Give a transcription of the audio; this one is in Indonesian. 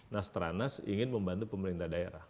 nas tranas ingin membantu pemerintah daerah